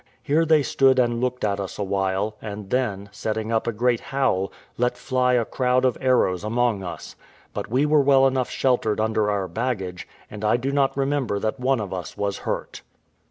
Here they stood and looked at us a while, and then, setting up a great howl, let fly a crowd of arrows among us; but we were well enough sheltered under our baggage, and I do not remember that one of us was hurt.